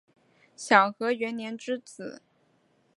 享和元年之子。